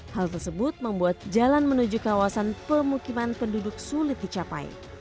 hal tersebut membuat jalan menuju kawasan pemukiman penduduk sulit dicapai